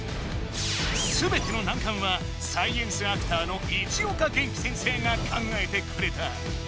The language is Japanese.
すべての難関はサイエンスアクターの市岡元気先生が考えてくれた。